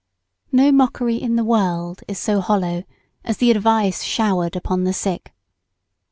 ] No mockery in the world is so hollow as the advice showered upon the sick.